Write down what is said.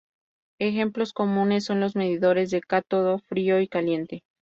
Ejemplos comunes son los medidores de cátodo frío y caliente.